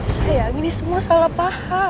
sayang ini semua salah paham